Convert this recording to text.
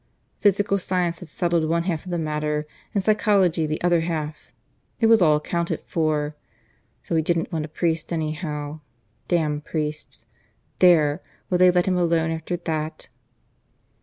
Physical science had settled one half of the matter, and psychology the other half. It was all accounted for. So he didn't want a priest anyhow. Damn priests! There! would they let him alone after that?